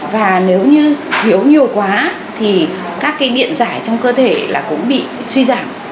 và nếu như thiếu nhiều quá thì các điện giải trong cơ thể cũng bị suy giảm